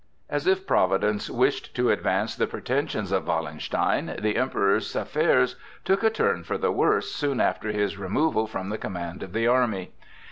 As if Providence wished to advance the pretensions of Wallenstein, the Emperor's affairs took a turn for the worse soon after his removal from the command of the army.